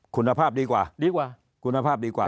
คุณภาพดีกว่า